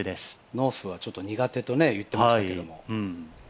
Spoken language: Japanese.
ノースはちょっと苦手と言ってましたけど。